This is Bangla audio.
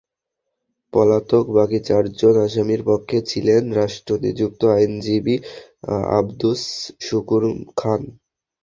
পলাতক বাকি চারজন আসামির পক্ষে ছিলেন রাষ্ট্রনিযুক্ত আইনজীবী আবদুস শুকুর খান।